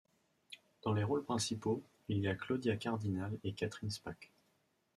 Dans les rôles principaux, il y a Claudia Cardinale et Catherine Spaak.